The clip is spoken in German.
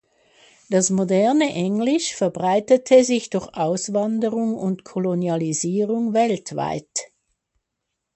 Das moderne Englisch verbreitete sich durch Auswanderung und Kolonialisierung weltweit.